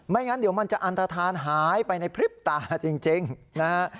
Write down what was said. งั้นเดี๋ยวมันจะอันทธานหายไปในพริบตาจริงนะฮะ